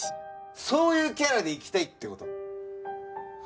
そういうキャラでいきたいって事？